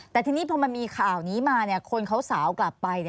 แต่ทีนี้พอมันมีข่าวนี้มาคนเขาสาวกลับไป